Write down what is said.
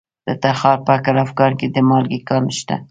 د تخار په کلفګان کې د مالګې کان شته.